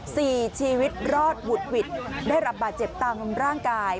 สี่ชีวิตรอดหวุดหวิดได้รับบาดเจ็บตามร่างกาย